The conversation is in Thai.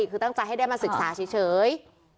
คือตั้งใจให้ได้มาศึกษาเฉย